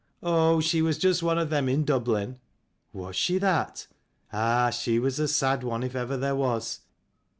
" Oh, she was just one of them in Dublin." " Was she that ? Ah, she was a sad one if ever there was.